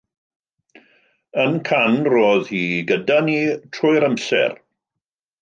Yn Cannes roedd hi gyda ni trwy'r amser.